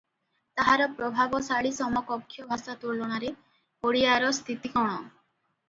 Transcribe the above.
ତାହାର ପ୍ରଭାବଶାଳୀ ସମକକ୍ଷ ଭାଷା ତୁଳନାରେ ଓଡ଼ିଆର ସ୍ଥିତି କଣ?